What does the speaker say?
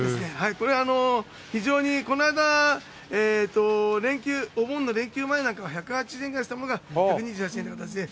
これは、非常に、この間、連休、お盆の連休前なんかが１８０円ぐらいしたものが、１２８円っていう形で、